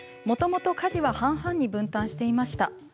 もともと家事は半々に分担していました。